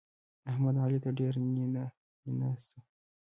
احمد؛ علي ته ډېر نينه نينه سو.